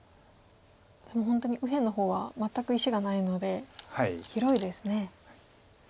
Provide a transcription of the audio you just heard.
でも本当に右辺の方は全く石がないので広いですね。